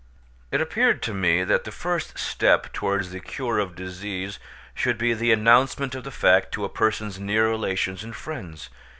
It appeared to me that the first step towards the cure of disease should be the announcement of the fact to a person's near relations and friends.